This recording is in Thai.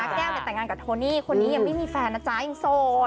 แก้วแต่งงานกับโทนี่คนนี้ยังไม่มีแฟนนะจ๊ะยังโสด